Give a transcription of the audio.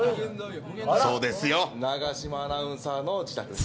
永島アナウンサーの自宅です。